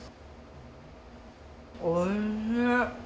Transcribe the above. おいしい。